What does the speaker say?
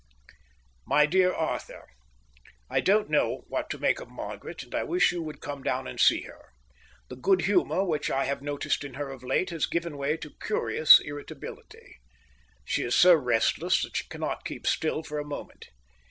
My Dear Arthur: I don't know what to make of Margaret, and I wish you would come down and see her. The good humour which I have noticed in her of late has given way to a curious irritability. She is so restless that she cannot keep still for a moment.